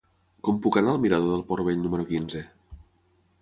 Com puc anar al mirador del Port Vell número quinze?